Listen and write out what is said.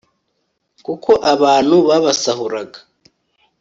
kuko abantu babasahuraga